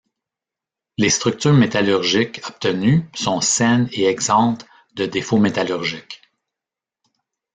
Les structures métallurgiques obtenues sont saines et exemptes de défauts métallurgiques.